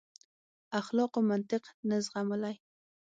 اخلاقو منطق نه زغملای.